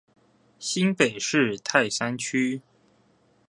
新北市泰山區